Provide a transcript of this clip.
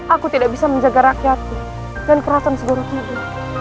aku tidak bisa menjaga rakyatku dan kerasan seborok itu